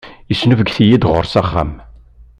Yesnubget-iyi-d ɣur-s s axxam.